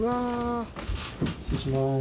失礼します。